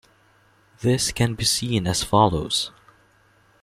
This can be seen as follows.